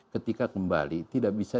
ketika kembali tidak bisa